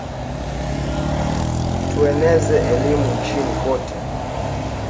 Tueneze elimu nchini kote